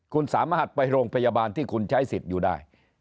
คุณสามารถไปโรงพยาบาลที่คุณใช้สิทธิ์อยู่ได้